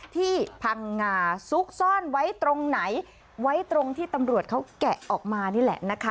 พังงาซุกซ่อนไว้ตรงไหนไว้ตรงที่ตำรวจเขาแกะออกมานี่แหละนะคะ